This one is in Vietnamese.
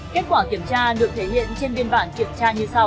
kết quả kiểm tra được thể hiện trên biên bản kiểm tra như sau